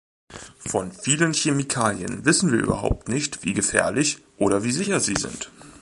Von vielen Chemikalien wissen wir überhaupt nicht, wie gefährlich oder wie sicher sie sind.